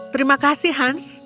terima kasih hans